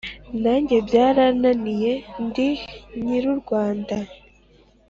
nanjye byarananiye ndi nyr’u rwanda,